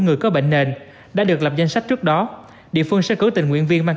người có bệnh nền đã được lập danh sách trước đó địa phương sẽ cử tình nguyện viên mang